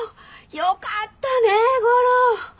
よかったね吾良！